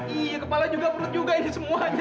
iya kepala juga perut juga ini semuanya